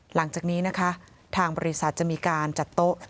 หลังจากนี้นะคะทางบริษัทจะมีการจัดโต๊ะ